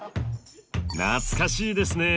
懐かしいですね。